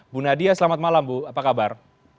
bu nadia selamat malam bu apa kabar